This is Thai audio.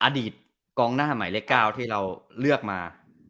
อดีตกองหน้าหมายเลข๙ที่เราเลือกมา